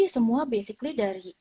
semua basically dari